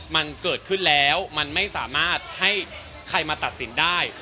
มันเกิดขึ้นแล้วมันไม่สามารถให้ใครมาตัดสินได้